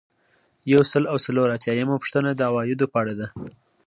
یو سل او څلور اتیایمه پوښتنه د عوایدو په اړه ده.